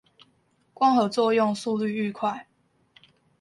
光合作用速率愈快